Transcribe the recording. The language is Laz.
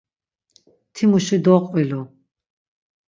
Timuşi doqvilu.